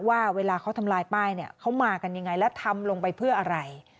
ว่าเวลาเขาทำลายป้ายเนี่ยเขามากันยังไงและทำลงไปเพื่ออะไร